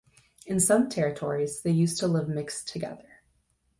In some territories, they used to live mixed together.